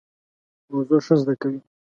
موضوع ښه زده کوي.